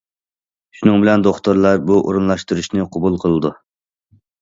شۇنىڭ بىلەن، دوختۇرلار بۇ ئورۇنلاشتۇرۇشنى قوبۇل قىلىدۇ.